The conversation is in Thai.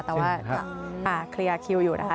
แต่ว่าจะเคลียร์คิวอยู่นะคะ